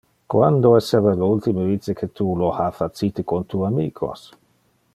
Quando esseva le ultime vice que tu lo ha facite con tu amicos?